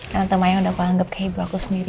tante maya udah penganggap kayak ibu aku sendiri